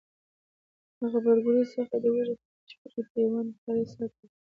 د غبرګولي څخه د وږي تر میاشتې پورې پیوند کاری سرته رسیږي.